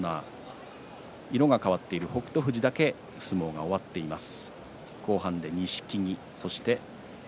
色が変わっている北勝富士だけ相撲が終わっています。